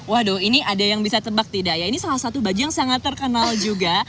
waduh ini ada yang bisa tebak tidak ya ini salah satu baju yang sangat terkenal juga